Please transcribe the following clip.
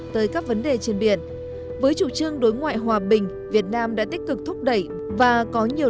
tới các vấn đề trên biển với chủ trương đối ngoại hòa bình việt nam đã tích cực thúc đẩy và có nhiều